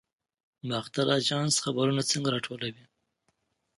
باختر اژانس خبرونه څنګه راټولوي؟